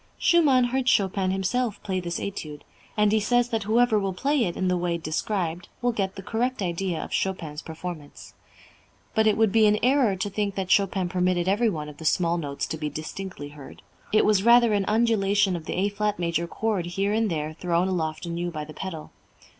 Schumann heard Chopin himself play this Étude, and he says that whoever will play it in the way described will get the correct idea of Chopin's performance. "But it would be an error to think that Chopin permitted every one of the small notes to be distinctly heard. It was rather an undulation of the A flat major chord here and there thrown aloft anew by the pedal.